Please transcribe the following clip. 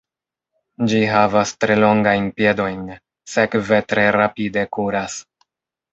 Ĝi havas tre longajn piedojn, sekve tre rapide kuras.